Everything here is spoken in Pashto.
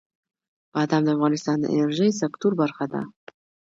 بادام د افغانستان د انرژۍ سکتور برخه ده.